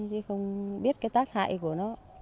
chứ không biết cái tác hại của nó